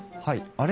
あれ？